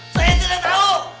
saya tidak tahu